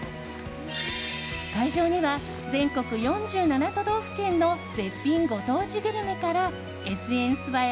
会場には全国４７都道府県の絶品ご当地グルメからＳＮＳ映え